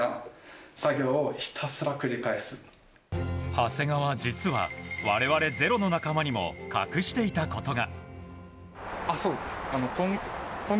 長谷川、実は我々「ｚｅｒｏ」の仲間にも隠していたことが。